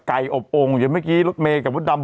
ไก่อบองเหมือนเมฆกับวุฒิดำ